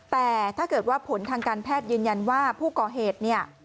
แต่ถ้าเกิดว่าผลทางการแพทย์ยืนยันว่าผู้ก่อเหตุเนี่ย